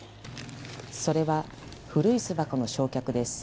それは古い巣箱の焼却です。